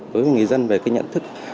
đối với người dân về nhận thức